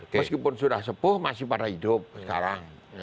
meskipun sudah sepuh masih pada hidup sekarang